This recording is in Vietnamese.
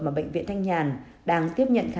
mà bệnh viện thanh nhàn đang tiếp nhận